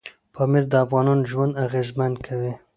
پامیر د افغانانو ژوند اغېزمن کوي.